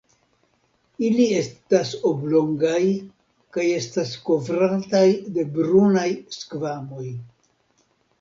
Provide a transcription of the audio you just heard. Ili estas oblongaj kaj estas kovrataj de brunaj skvamoj.